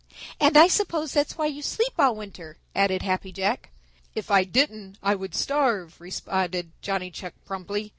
"And I suppose that is why you sleep all winter," added Happy Jack. "If I didn't I would starve," responded Johnny Chuck promptly.